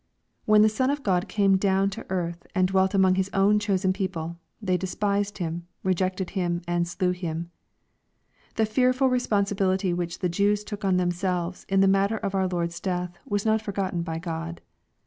When the Son of God came down to earth ana dwelt among His own chosen people, they despised Him, rejected Him, and slew Him. The fearful responsibility which the Jews took on themselves in the matter of our Lord's death was not forgotten by God.